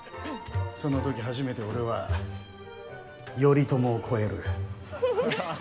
その時、初めて俺は頼朝を超える。